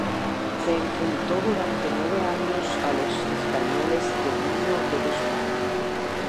Se enfrentó durante nueve años a los españoles de Nuño de Guzmán.